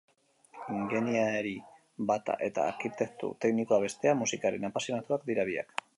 Ingeniari bata eta arkitektu teknikoa bestea, musikaren apasionatuak dira biak.